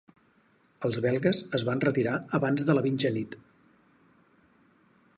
Els belgues es van retirar abans de la mitjanit.